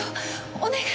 お願い。